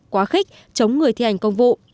quá khích chống người thi hành công vụ